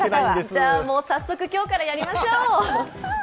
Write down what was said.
じゃ、もう、早速今日からやりましょう！